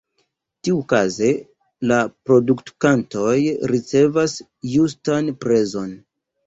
Tiukaze la produktantoj ricevas justan prezon.